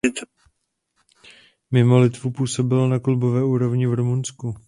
Mimo Litvu působil na klubové úrovni v Rumunsku.